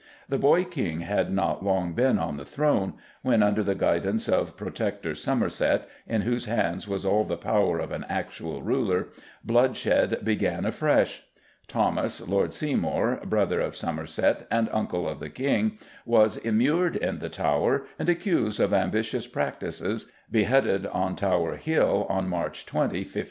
The boy King had not long been on the throne, when, under the guidance of Protector Somerset, in whose hands was all the power of an actual ruler, bloodshed began afresh. Thomas, Lord Seymour, brother of Somerset and uncle of the King, was immured in the Tower, and, accused of ambitious practices, beheaded on Tower Hill on March 20, 1549.